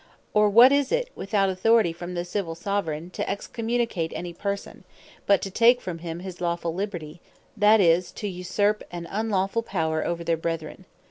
Or what is it, without Authority from the Civill Soveraign, to excommunicate any person, but to take from him his Lawfull Liberty, that is, to usurpe an unlawfull Power over their Brethren?